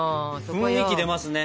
雰囲気出ますね。